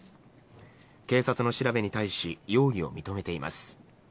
警察の調べに対し容疑を認めています。